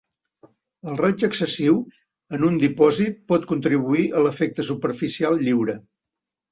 El raig excessiu en un dipòsit pot contribuir a l'efecte superficial lliure.